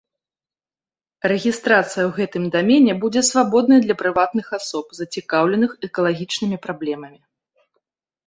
Рэгістрацыя ў гэтым дамене будзе свабоднай для прыватных асоб, зацікаўленых экалагічнымі праблемамі.